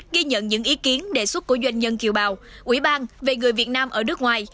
ghi nhận những ý kiến đề xuất của doanh nhân kiều bào ủy ban về người việt nam ở nước ngoài